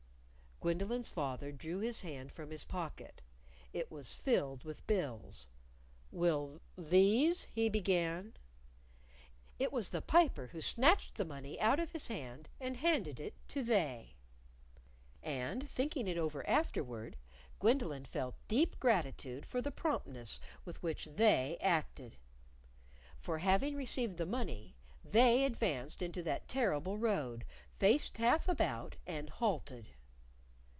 Gwendolyn's father drew his hand from his pocket. It was filled with bills. "Will these ?" he began. It was the Piper who snatched the money out of his hand and handed it to They. And thinking it over afterward, Gwendolyn felt deep gratitude for the promptness with which They acted. For having received the money, They advanced into that terrible road, faced half about, and halted.